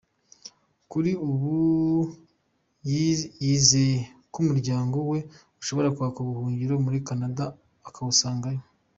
Kuri ubu yizeye ku umuryango we ushobora kwaka ubuhungiro muri Canada ukamusangayo.